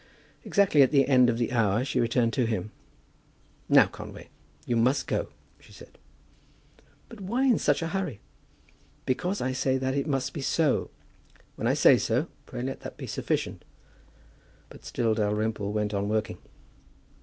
Exactly at the end of the hour she returned to him. "Now, Conway, you must go," she said. "But why in such a hurry?" "Because I say that it must be so. When I say so, pray let that be sufficient." But still Dalrymple went on working.